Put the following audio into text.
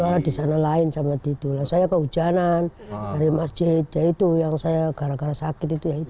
cuaca di sana lain sama di itu saya ke hujanan dari masjid ya itu yang saya gara gara sakit itu ya itu